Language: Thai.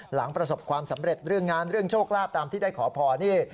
หลังประสบความสำเร็จเรื่องงานเรื่องโชคลาภตามที่ได้ขอพรนี่